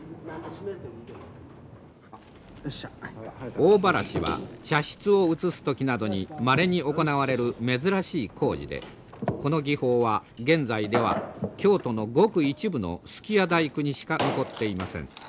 大ばらしは茶室を移す時などにまれに行われる珍しい工事でこの技法は現在では京都のごく一部の数寄屋大工にしか残っていません。